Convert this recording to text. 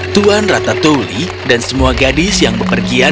tuan ratatuli dan semua gadis yang berpergian